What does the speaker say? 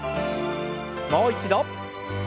もう一度。